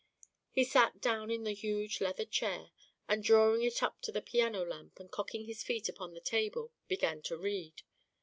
He sat down in the huge leather chair, and, drawing it up to the piano lamp and cocking his feet upon the table, began to read.